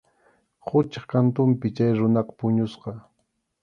Quchap kantunpi chay runaqa puñusqa.